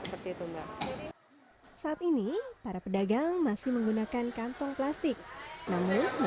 terus kalau bisa dia pakai keranjang seperti besek atau gongsang seperti itu sementara ini kami masih memberi himbauan nanti akan berlanjut ke teguran lisan ya mbak